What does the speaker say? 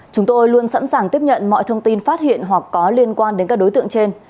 chúng tôi luôn sẵn sàng tiếp nhận mọi thông tin phát hiện hoặc có liên quan đến các đối tượng trên